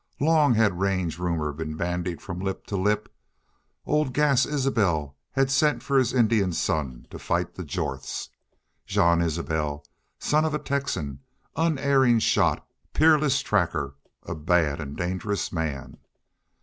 Long had range rumor been bandied from lip to lip old Gass Isbel had sent for his Indian son to fight the Jorths. Jean Isbel son of a Texan unerring shot peerless tracker a bad and dangerous man!